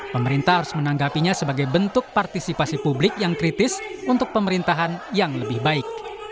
pemerintah harus menanggapinya sebagai bentuk partisipasi publik yang kritis untuk pemerintahan yang lebih baik